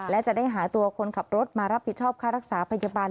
และจะได้หาตัวคนขับรถมารับผิดชอบค่ารักษาพยาบาล